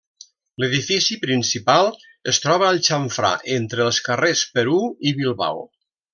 L'edifici principal es troba al xamfrà entre els carrers Perú i Bilbao.